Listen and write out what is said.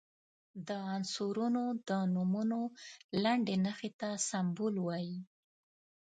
د عنصرونو د نومونو لنډي نښې ته سمبول وايي.